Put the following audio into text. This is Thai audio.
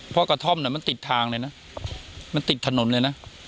เพราะกระท่อมมันติดทางเลยนะมันติดถนนเลยนะ